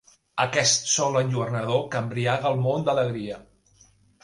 Aquest sol enlluernador que embriaga el món d'alegria